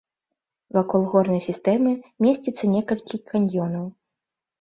Вакол горнай сістэмы месціцца некалькі каньёнаў.